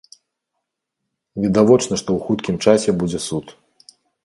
Відавочна, што ў хуткім часе будзе суд.